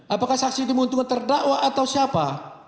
apakah saksi itu menguntungkan terdakwa atau siapa